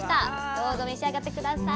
どうぞ召し上がって下さい。